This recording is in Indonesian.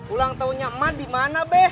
ulang taunya emak dimana beh